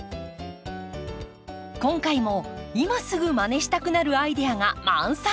今回も今すぐまねしたくなるアイデアが満載。